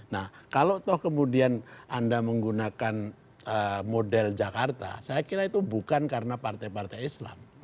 nah kalau toh kemudian anda menggunakan model jakarta saya kira itu bukan karena partai partai islam